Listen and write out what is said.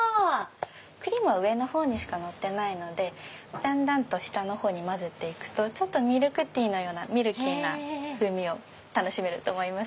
クリームは上の方にしかのってないのでだんだんと下の方に混ぜていくとミルクティーのようなミルキーな風味を楽しめると思います。